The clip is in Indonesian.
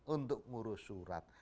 untuk ngurus surat